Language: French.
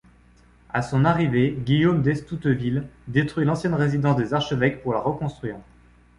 À son arrivée, Guillaume d'Estouteville détruit l'ancienne résidence des archevêques pour la reconstruire.